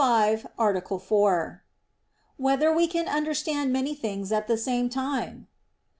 85, Art. 4] Whether We Can Understand Many Things at the Same Time?